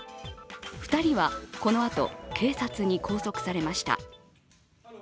２人はこのあと、警察に拘束されました。